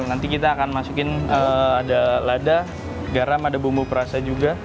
nanti kita akan masukin ada lada garam ada bumbu perasa juga